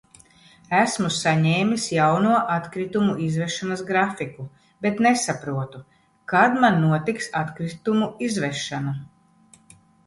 Esmu saņēmis jauno atkritumu izvešanas grafiku, bet nesaprotu, kad man notiks atkritumu izvešana?